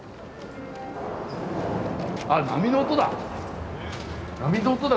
あ波の音だ。